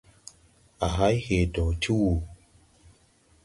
A hay hee dɔɔ ti wùu.